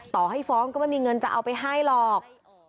ต่อให้ฟ้องก็ไม่มีเงินจะเอาไปให้หรอก